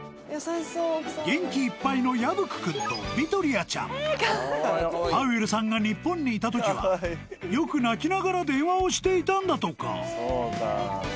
元気いっぱいのヤブクくんとヴィトリアちゃんパウエルさんが日本にいた時はよく泣きながら電話をしていたんだとか